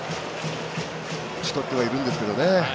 打ちとってはいるんですけどね。